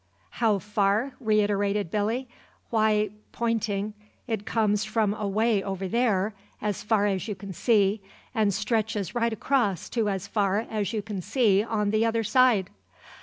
"How far?" reiterated Billy. "Why," pointing "it comes from away over there, as far as you can see, and stretches right across to as far as you can see on the other side."